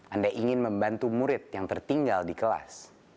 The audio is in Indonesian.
anda ingin membantu murid yang tertinggal di kelas